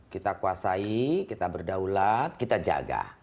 kita kuasai kita berdaulat kita jaga